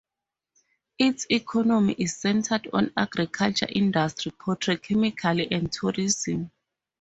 Its economy is centered on agriculture, industry, petrochemicals and tourism.